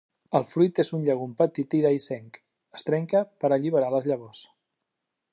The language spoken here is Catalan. El fruit és un llegum petit i dehiscent, es trenca per alliberar les llavors.